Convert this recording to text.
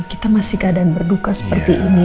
kita masih keadaan berduka seperti ini